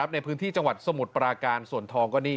ในพื้นที่จังหวัดสมุทรปราการส่วนทองก็นี่